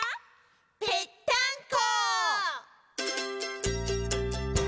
「ぺったんこ！」